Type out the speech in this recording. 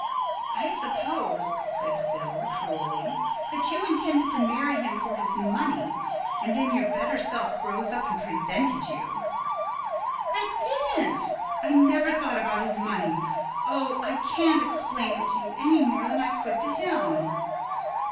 "I suppose," said Phil cruelly, "that you intended to marry him for his money, and then your better self rose up and prevented you." "I didnt't. I never thought about his money. Oh, I can't explain it to you any more than I could to him."